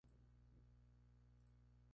Y no tendría que pagarle a mi agente".